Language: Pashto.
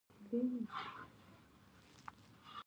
ایا زما سینه به ښه شي؟